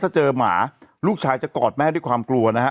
ถ้าเจอหมาลูกชายจะกอดแม่ด้วยความกลัวนะฮะ